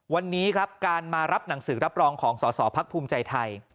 วันนี้ครับการมารับหนังสือรับรองของสอสอพักภูมิใจไทย